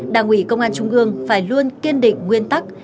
đảng ủy công an trung ương phải luôn kiên định nguyên tắc